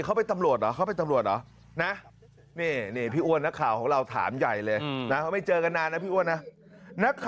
เขาเป็นตำรวจหรือนี่พี่อ้วน